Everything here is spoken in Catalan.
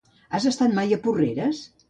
Has estat mai a Porreres?